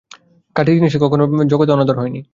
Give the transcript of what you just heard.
খাঁটি জিনিষের কখনও জগতে অনাদর হয়নি।